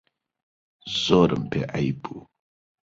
زۆرم پێ عەیب بوو